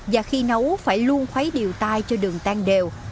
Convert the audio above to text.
và khi nấu phải luôn khuấy đều tai cho đường tan đều